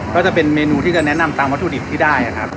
ก็จะเป็นเมนูที่จะแนะนำตามวัตถุดิบที่ได้นะครับ